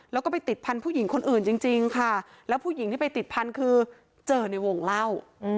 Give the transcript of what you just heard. แล้วก็ไปติดพันธุ์หญิงคนอื่นจริงค่ะแล้วผู้หญิงที่ไปติดพันธุ์คือเจอในวงเล่า